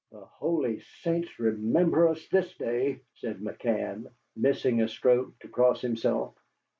"The holy saints remember us this day!" said McCann, missing a stroke to cross himself.